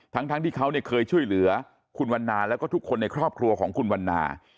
ทั้งที่เขาเคยช่วยเหลือคุณวันนาแล้วก็ทุกคนในครอบครัวของคุณวันนา